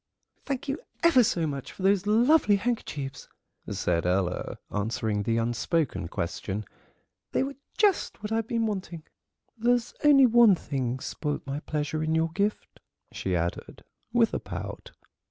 "Thank you ever so much for those lovely handkerchiefs," said Ella, answering the unspoken question; "they were just what I've been wanting. There's only one thing spoilt my pleasure in your gift," she added, with a pout.